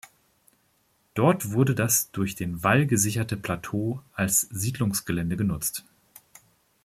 Dort wurde das durch den Wall gesicherte Plateau als Siedlungsgelände genutzt.